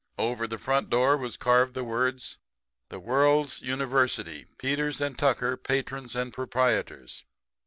Over the front door was carved the words: 'The World's University; Peters & Tucker, Patrons and Proprietors.